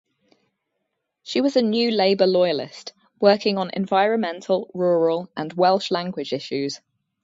She was a new Labour loyalist, working on environmental, rural and Welsh language issues.